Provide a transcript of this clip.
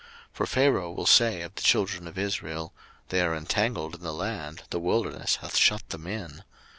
02:014:003 For Pharaoh will say of the children of Israel, They are entangled in the land, the wilderness hath shut them in.